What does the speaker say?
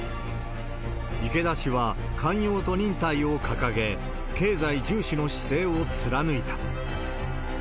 池田氏は寛容と忍耐を掲げ、経済重視の姿勢を貫いた。